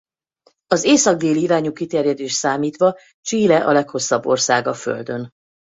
Az észak–déli irányú kiterjedést számítva Chile a leghosszabb ország a Földön.